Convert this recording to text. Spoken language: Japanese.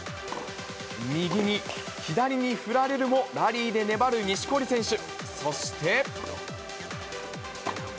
右に左に振られるも、ラリーで粘る錦織選手。